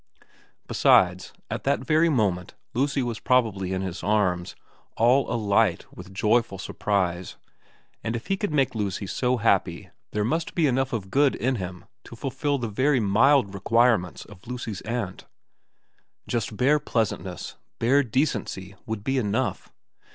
Besides, at that very moment Lucy was prob ably in his arms, all alight with joyful surprise, and if he could make Lucy so happy there must be enough of good in him to enable him to fulfil the very mild require ments of Lucy's aunt. Just bare pleasantness, bare decency would be enough.